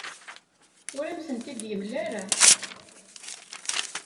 Ur am-ten-id-yemla ara.